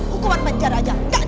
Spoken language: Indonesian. hukuman penjara aja gak cukup